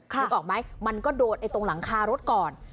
นึกออกไหมมันก็โดนตรงหลังคารถก่อน